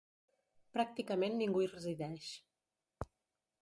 Pràcticament ningú hi resideix.